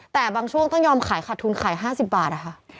แต่บางช่วงต้องยอมขายขาดทุนขาย๕๐บาทนะคะ